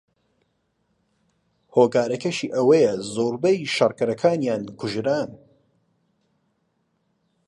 هۆکارەکەشەی ئەوەیە زۆربەی شەڕکەرەکانیان کوژران